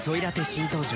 新登場